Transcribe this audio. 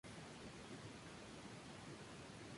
The Simpsons One Step Beyond Forever!